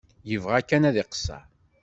Yebɣa kan ad iqeṣṣer.